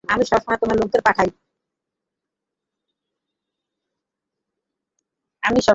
আমি সবমসময় আমার লোকদের পাঠাই।